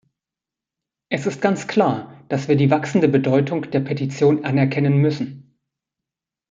Es ist ganz klar, dass wir die wachsende Bedeutung der Petitionen anerkennen müssen.